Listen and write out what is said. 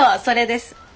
それです。